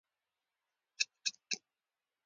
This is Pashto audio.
راتګ په اراده بېرته تګ په اجازه د مېلمه پالنې اصول ښيي